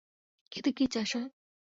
ক্ষেতে কী চাষ হয়?